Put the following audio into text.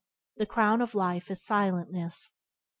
The crown of life is silentness.